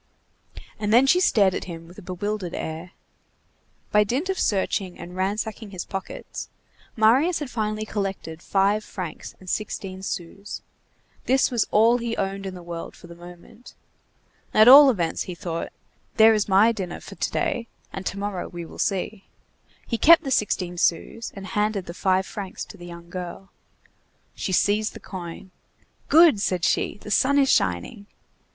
And then she stared at him with a bewildered air. By dint of searching and ransacking his pockets, Marius had finally collected five francs sixteen sous. This was all he owned in the world for the moment. "At all events," he thought, "there is my dinner for to day, and to morrow we will see." He kept the sixteen sous, and handed the five francs to the young girl. She seized the coin. "Good!" said she, "the sun is shining!"